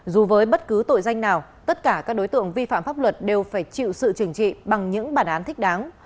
dù với bất cứ tội danh nào tất cả các đối tượng vi phạm pháp luật đều phải chịu sự trừng trị bằng những bản án thích đáng